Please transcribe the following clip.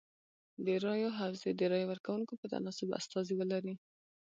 د رایو حوزې د رای ورکوونکو په تناسب استازي ولري.